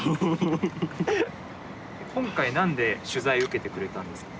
今回何で取材受けてくれたんですか？